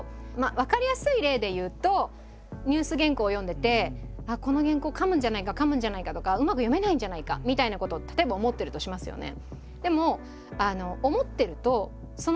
分かりやすい例で言うとニュース原稿を読んでてああこの原稿かむんじゃないかかむんじゃないかとかうまく読めないんじゃないかみたいなことを例えば思ってるとしますよね。